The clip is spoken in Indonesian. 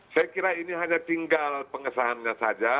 saya kira ini hanya tinggal pengesahannya saja